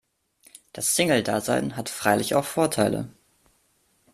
Das Single-Dasein hat freilich auch Vorteile.